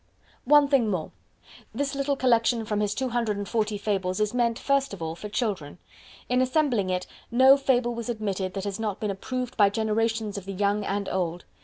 One thing more. This little collection from his 240 Fables is meant, first of all, for children. In assembling it no Fable was admitted that has not been approved by generations of the young and old.